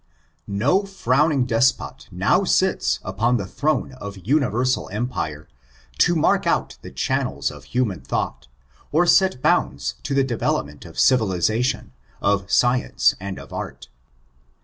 No frowning despot now sits upon the throne of universal empire, to mark out the channels of human thought, or set bounds to the development of civilizaticm, of science, and of art.